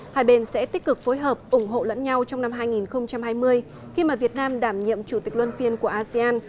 hai bên sẽ tích cực phối hợp ủng hộ lẫn nhau trong năm hai nghìn hai mươi khi mà việt nam đảm nhiệm chủ tịch luân phiên của asean